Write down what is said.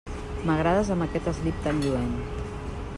M'agrades amb aquest eslip tan lluent.